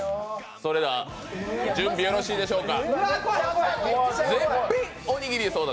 それでは準備よろしいでしょうか。